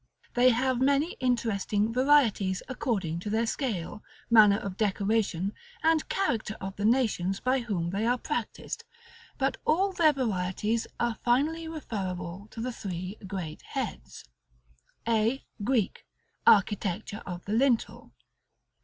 They have many interesting varieties, according to their scale, manner of decoration, and character of the nations by whom they are practised, but all their varieties are finally referable to the three great heads: A, Greek: Architecture of the Lintel.